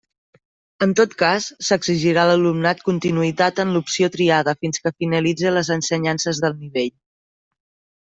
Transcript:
En tot cas, s'exigirà a l'alumnat continuïtat en l'opció triada fins que finalitze les ensenyances del nivell.